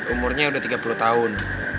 umurnya sudah tiga puluh tahun